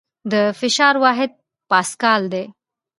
د فشار واحد پاسکال دی.